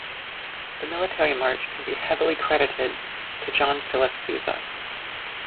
The military march can be heavily credited to John Philip Sousa.